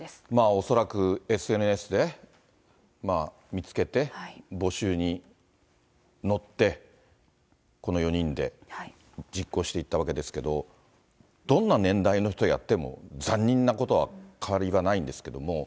恐らくＳＮＳで見つけて、募集に乗って、この４人で実行していったわけですけど、どんな年代の人やっても残忍なことは変わりがないんですけども。